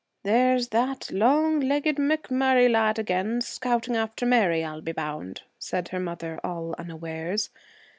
'There's that long legged McMurray lad again; scouting after Mary, I'll be bound,' said her mother, all unawares.